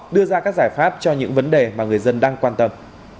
đưa ra các giải pháp cho những vấn đề mà người dân đang quan tâm